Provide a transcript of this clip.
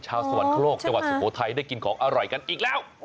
สวรรคโลกจังหวัดสุโขทัยได้กินของอร่อยกันอีกแล้ว